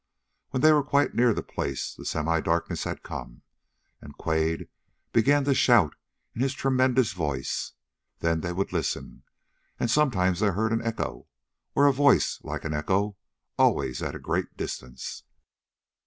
When they were quite near the place, the semidarkness had come, and Quade began to shout in his tremendous voice. Then they would listen, and sometimes they heard an echo, or a voice like an echo, always at a great distance.